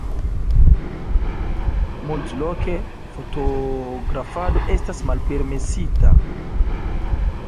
Multloke fotografado estas malpermesita.